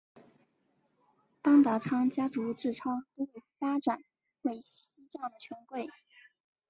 邦达仓家族自昌都发展为西藏的权贵。